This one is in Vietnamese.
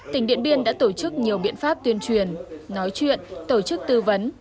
tỉnh điện biên đã tổ chức nhiều biện pháp tuyên truyền nói chuyện tổ chức tư vấn